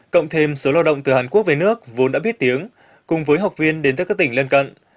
cộng thêm số lao động từ hàn quốc về nước vốn đã biết tiếng cùng với học viên đến từ các tỉnh lân cận